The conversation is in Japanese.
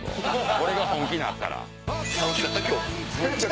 俺が本気になったら。